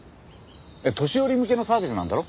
年寄り向けのサービスなんだろ？